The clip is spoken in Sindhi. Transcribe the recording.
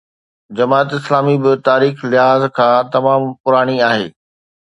جماعت اسلامي به تاريخي لحاظ کان تمام پراڻي آهي.